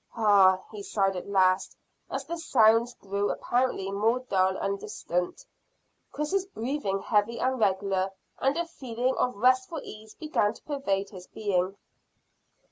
"Hah!" he sighed, at last, as the sounds grew apparently more dull and distant, Chris's breathing heavy and regular, and a feeling of restful ease began to pervade his being.